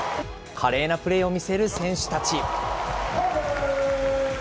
華麗なプレーを見せる選手たち。